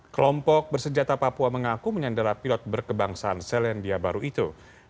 kelompok bersenjata papua mengaku menyandara pilot berkebangsaan selandia baru itu